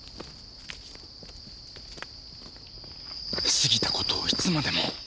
過ぎた事をいつまでも。